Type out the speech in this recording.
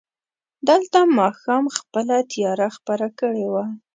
دلته ماښام خپله تياره خپره کړې وه.